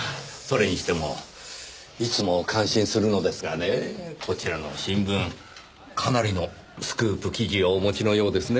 それにしてもいつも感心するのですがねこちらの新聞かなりのスクープ記事をお持ちのようですねぇ。